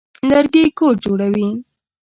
لرګي کور جوړوي.